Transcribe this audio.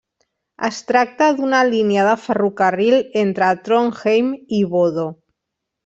Es tracta d'una línia de ferrocarril entre Trondheim i Bodø.